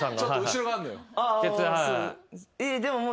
後ろがあんのよ。